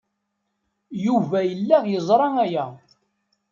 Yuba yella yeẓra aya.